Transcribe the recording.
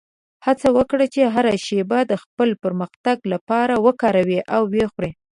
هڅه وکړه چې هره شېبه د خپل پرمختګ لپاره وکاروې او وخورې.